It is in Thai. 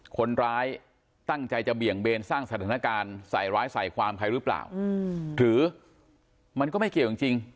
คนร้ายตั้งใจจะเบี่ยงเบนสร้างสถานการณ์ใส่ร้ายใส่ความใครหรือเปล่าหรือมันก็ไม่เกี่ยวจริง